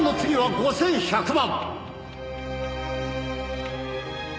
「５１００万」